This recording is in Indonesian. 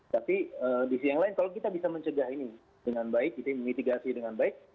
tapi di sisi yang lain kalau kita bisa mencegah ini dengan baik kita mitigasi dengan baik